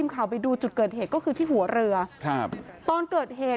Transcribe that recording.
พ่อแม่มาเห็นสภาพศพของลูกร้องไห้กันครับขาดใจ